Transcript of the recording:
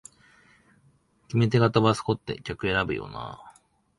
決め手がタバスコって客選ぶよなあ